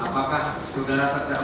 apakah saudara terdakwa